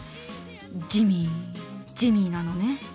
ジミージミーなのね。